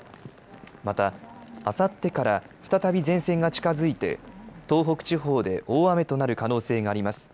またあさってから再び前線が近づいて東北地方で大雨となる可能性があります。